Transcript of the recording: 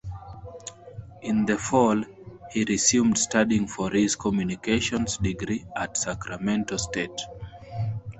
In the fall he resumed studying for his communications degree at Sacramento State.